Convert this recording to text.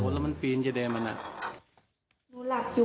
สักใหญ่ไหมครับ